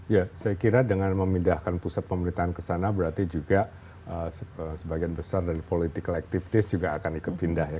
ya saya kira dengan memindahkan pusat pemerintahan ke sana berarti juga sebagian besar dari politik electivis juga akan ikut pindah ya